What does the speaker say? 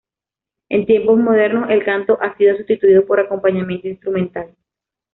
En tiempos modernos, el canto ha sido sustituido por acompañamiento instrumental.